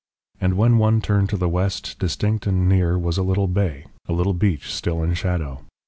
And when one turned to the west, distinct and near was a little bay, a little beach still in shadow.